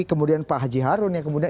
kemudian pak haji harun yang kemudian